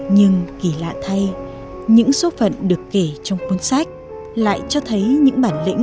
nhưng kỳ lạ thay những số phận được kể trong cuốn sách lại cho thấy những bệnh nhân ung thư